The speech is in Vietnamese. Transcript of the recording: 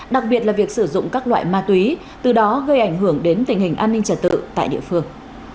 đặc biệt là việc sử dụng các loại ma túy từ đó gây ảnh hưởng đến tình hình an ninh trật tự tại địa phương